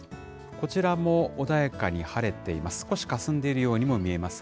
こちらも穏やかに晴れています。